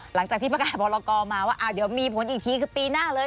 หลังจากที่ประกาศพรกรมาว่าเดี๋ยวมีผลอีกทีคือปีหน้าเลย